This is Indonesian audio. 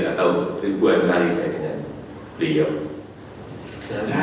atau ribuan kali saya dengan beliau